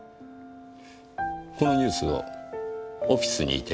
このニュースをオフィスにいて見ていた。